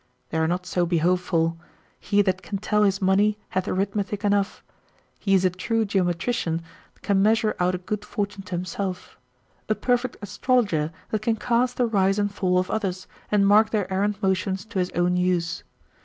They are not so behoveful: he that can tell his money hath arithmetic enough: he is a true geometrician, can measure out a good fortune to himself; a perfect astrologer, that can cast the rise and fall of others, and mark their errant motions to his own use.